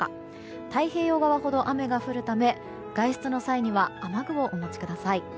太平洋側ほど雨が降るため外出の際には雨具をお持ちください。